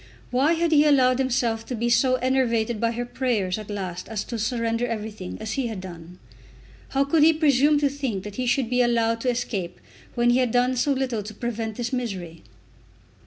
Why had he allowed himself to be so enervated by her prayers at last as to surrender everything, as he had done? How could he presume to think that he should be allowed to escape, when he had done so little to prevent this misery?